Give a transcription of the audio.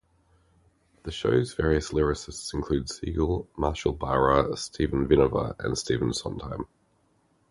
The show's various lyricists include Siegel, Marshall Barer, Steven Vinaver, and Stephen Sondheim.